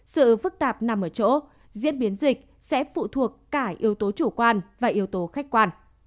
sự phức tạp nằm ở chỗ diễn biến dịch sẽ phụ thuộc cả yếu tố chủ quan và yếu tố khách quan